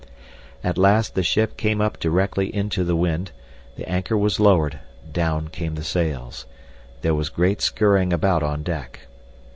At last the ship came up directly into the wind; the anchor was lowered; down came the sails. There was great scurrying about on deck.